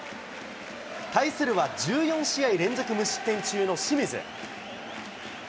対するは１４試合連続無失点中の清水。